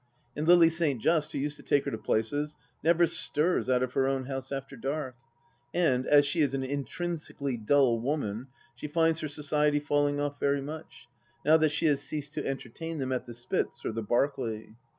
And Lily St. Just, who used to take her to places, never stirs out of her own house after dark ; and, as she is an intrinsically dull woman, she finds her society falling oft very much, now that she has ceased to entertain them at the Spitz or the Berkeley.